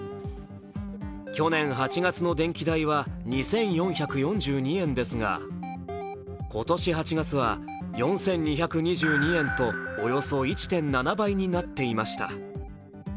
去年８月の電気代は２４４２円ですが今年８月は４２２２円とおよそ１．７倍になっていました。